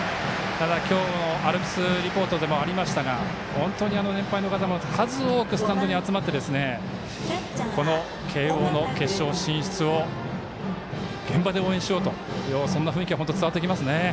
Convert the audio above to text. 今日のアルプスリポートでもありましたが本当に年配の方も数多くスタンドに集まってこの慶応の決勝進出を現場で応援しようというそんな雰囲気が伝わってきます。